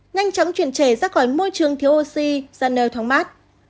nhanh chóng chuyển trẻ ra khỏi môi trường thiếu oxy ra nơi thoáng mát